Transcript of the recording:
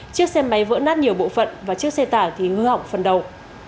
chiếc xe máy vỡ nát nhiều bộ phận và chiếc xe tải thì hư hỏng phần đầu